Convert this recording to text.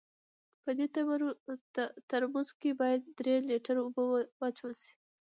په دې ترموز کې باید درې لیټره اوبه واچول سي.